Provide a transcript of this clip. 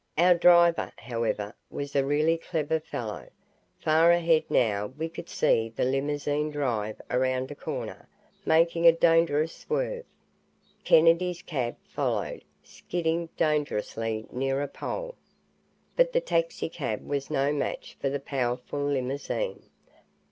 Our driver, however, was a really clever fellow. Far ahead now we could see the limousine drive around a corner, making a dangerous swerve. Kennedy's cab followed, skidding dangerously near a pole. But the taxicab was no match for the powerful limousine.